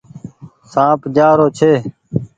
سآنپ جآ رو ڇي۔